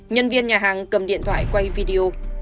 nhân viên nhà hàng cầm điện thoại quay video